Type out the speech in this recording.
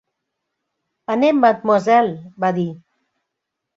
'Anem, mademoiselle', va dir.